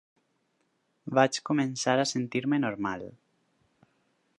Vaig començar a sentir-me normal